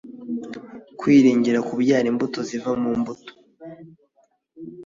kwiringira kubyara imbuto ziva mu mbuto